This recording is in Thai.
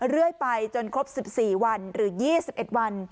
เรื่อยไปจนครบ๑๔วันหรือ๒๑วัน